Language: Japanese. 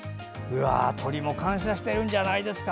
鳥も感謝してるんじゃないですか。